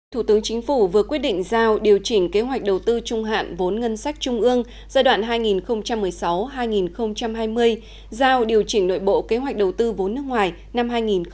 thủ tướng chính phủ vừa quyết định giao điều chỉnh kế hoạch đầu tư trung hạn vốn ngân sách trung ương giai đoạn hai nghìn một mươi sáu hai nghìn hai mươi giao điều chỉnh nội bộ kế hoạch đầu tư vốn nước ngoài năm hai nghìn hai mươi